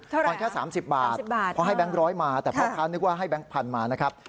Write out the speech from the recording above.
ผ่อนแค่๓๐บาทเพราะให้แบงค์ร้อยมาแต่พ่อค้านึกว่าให้แบงค์พันธุ์มานะครับ